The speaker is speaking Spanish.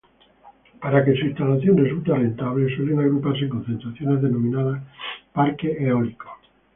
Para que su instalación resulte rentable, suelen agruparse en concentraciones denominadas parques eólicos.